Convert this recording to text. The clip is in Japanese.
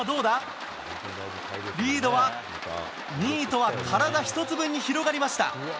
リードは２位とは体１つ分に広がりました。